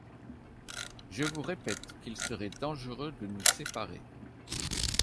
Je vous répète qu’il serait dangereux de nous séparer.